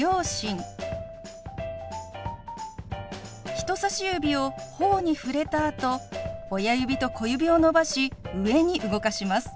人さし指をほおに触れたあと親指と小指を伸ばし上に動かします。